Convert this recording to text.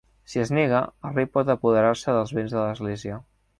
Si es nega, el rei pot apoderar-se dels béns de l'Església.